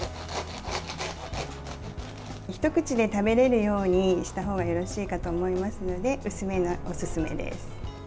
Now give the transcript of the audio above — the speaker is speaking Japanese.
一口で食べられるようにした方がよろしいかと思いますので薄めがおすすめです。